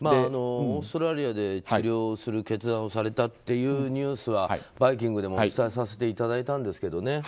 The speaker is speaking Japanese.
オーストラリアで治療する決断をされたというニュースは「バイキング」でもお伝えさせていただいたんですが。